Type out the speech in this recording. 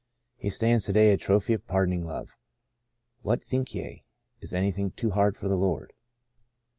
He stands to day a trophy of pardoning Love. What think ye ?Is anything too hard for the Lord